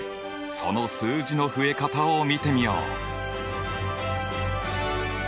その数字の増え方を見てみよう！